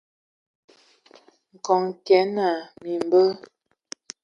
Nkɔg kig naa : "Mimbyɛ".